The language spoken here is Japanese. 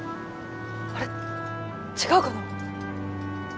あれ違うかな？